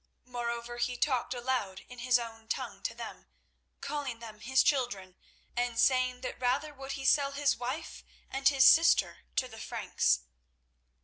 Moreover, he talked aloud in his own tongue to them, calling them his children, and saying that rather would he sell his wife and his sister to the Franks.